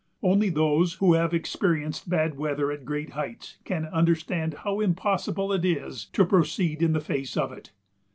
Only those who have experienced bad weather at great heights can understand how impossible it is to proceed in the face of it.